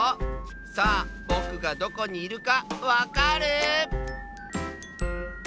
さあぼくがどこにいるかわかる？